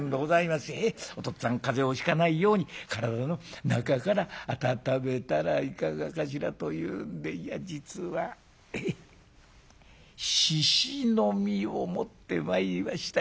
『お父っつぁん風邪をひかないように体の中から温めたらいかがかしら』と言うんでいや実は猪の身を持ってまいりました。